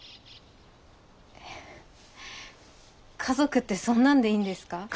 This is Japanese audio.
家族ってそんなんでいいんですか？